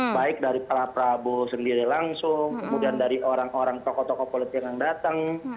baik dari pak prabowo sendiri langsung kemudian dari orang orang tokoh tokoh politik yang datang